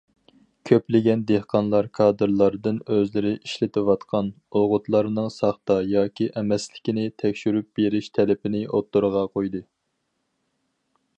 كۆپلىگەن دېھقانلار كادىرلاردىن ئۆزلىرى ئىشلىتىۋاتقان ئوغۇتلارنىڭ ساختا ياكى ئەمەسلىكىنى تەكشۈرۈپ بېرىش تەلىپىنى ئوتتۇرىغا قويدى.